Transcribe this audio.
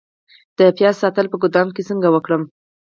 د پیاز ساتل په ګدام کې څنګه وکړم؟